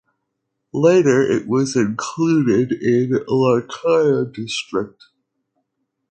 Later it was included in Larkana District.